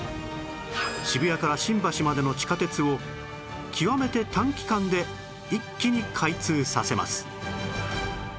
渋谷から新橋までの地下鉄を極めて短期間で一気に開通させます